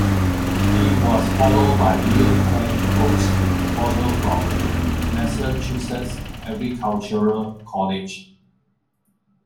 He was followed by William Penn Brooks, also from Massachusetts Agricultural College.